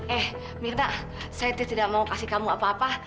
eh mirna saya tidak mau kasih kamu apa apa